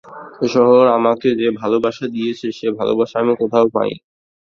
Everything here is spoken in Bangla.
এই শহর আমাকে যে ভালোবাসা দিয়েছে, সে ভালোবাসা আমি কোথাও পাইনি।